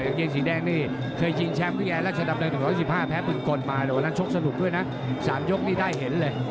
เกงสีแดงนี่เคยชิงแชมป์วิทยาราชดำเนิน๑๑๕แพ้บึงกลมาแต่วันนั้นชกสนุกด้วยนะ๓ยกนี่ได้เห็นเลย